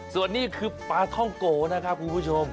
ส่วนนี้คือปลาท่องโกนะครับคุณผู้ชม